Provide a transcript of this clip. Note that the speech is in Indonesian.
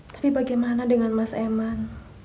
tapi bagaimana dengan mas eman